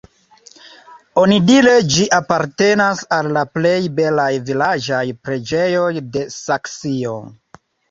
Onidire ĝi apartenas al la plej belaj vilaĝaj preĝejoj de Saksio.